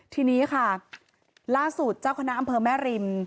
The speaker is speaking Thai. ทีนี้ค่ะล่าสุดเจ้าคณะอำเภอแม่ริม